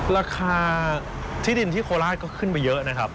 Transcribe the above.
ราคาที่ดินที่โคราชก็ขึ้นไปเยอะนะครับ